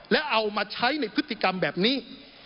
และเอามาใช้ในพฤติกรรมแบบนี้